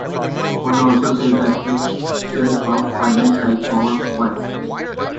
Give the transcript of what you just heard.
One also says that "X" is of finite type over "Y".